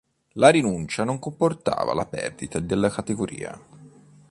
La rinuncia non comportava la perdita della categoria.